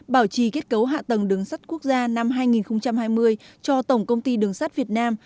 bảo trì kết cấu hạ tầng đường sắt quốc gia năm hai nghìn hai mươi cho tổng công ty đường sắt việt nam